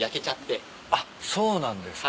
あっそうなんですか。